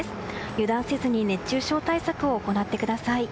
油断せずに熱中症対策を行ってください。